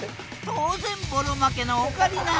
当然ボロ負けのオカリナ。